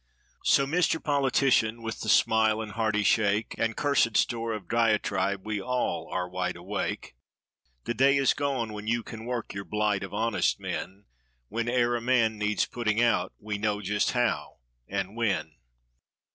So Mister Politician, with the smile and hearty (?) shake, And cursed store of diatribe, we all are wide awake. l'hv" day is gone when you can work your blight of honest men ; 209 When e'er a man needs putting out we know just how and when.